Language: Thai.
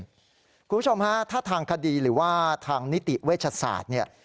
คุณผู้ชมฮะถ้าทางคดีหรือว่าทางนิติเวชศาสตร์เนี่ย